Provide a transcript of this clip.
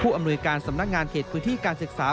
อำนวยการสำนักงานเขตพื้นที่การศึกษา